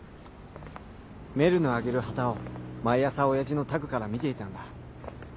メルのあげる旗を毎朝親父のタグから見ていたんだ。